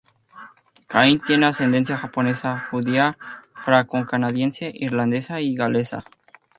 Cain tiene ascendencia japonesa, judía, francocanadiense, irlandesa y galesa.